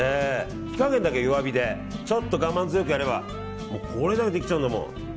火加減だけ弱火でちょっと我慢強くやればこれができちゃうんだもん。